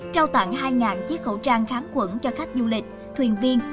trao tặng hai chiếc khẩu trang kháng quẩn cho khách du lịch tuyên viên